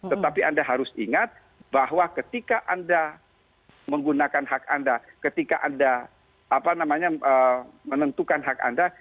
tetapi anda harus ingat bahwa ketika anda menggunakan hak anda ketika anda menentukan hak anda